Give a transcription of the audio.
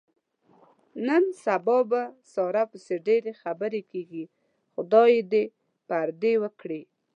نن سبا په ساره پسې ډېرې خبرې کېږي. خدای یې دې پردې و کړي.